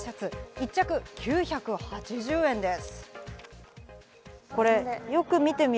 １着９８０円です。